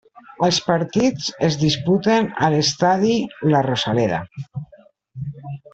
Els partits es disputen a l'estadi La Rosaleda.